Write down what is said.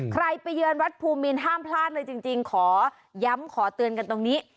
ใครไปเยือนวัดภูมิมีนจริงขอย้ำขอเตือนตรงคนนี้